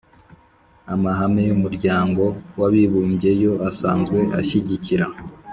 amahame y'umuryango w'abibumbye yo asanzwe ashyigikira